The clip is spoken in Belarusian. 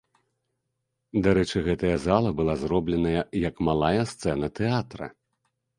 Дарэчы, гэтая зала была зробленая, як малая сцэна тэатра.